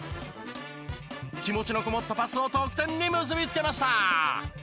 気持ちのこもったパスを得点に結びつけました。